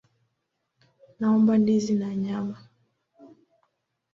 Naomba ndizi na nyama.